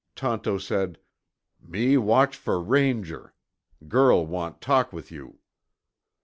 Tonto said, "Me watch for Ranger. Girl want talk with you."